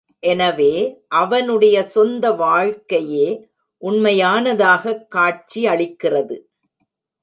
எனவே, அவனுடைய சொந்த வாழ்க்கையே உண்மையானதாகக் காட்சியளிக்கிறது.